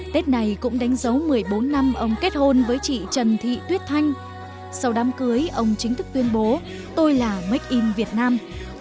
tết này cũng đánh dấu một mươi bốn năm ông kết hôn với chị trần thị tuyết thanh sau đám cưới ông chính thức tuyên bố tôi là make in việt nam